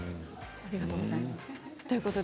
ありがとうございます。